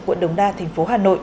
quận đồng đa tp